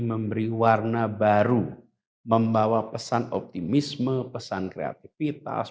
memberi warna baru membawa pesan optimisme pesan kreativitas